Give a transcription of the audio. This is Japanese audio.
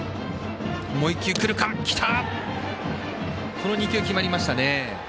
この２球決まりましたね。